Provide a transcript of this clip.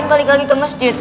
ngapain kembali lagi ke masjid